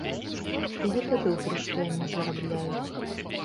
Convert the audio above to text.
І гэта добра, што яны зарабляюць.